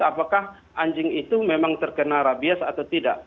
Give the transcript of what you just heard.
apakah anjing itu memang terkena rabies atau tidak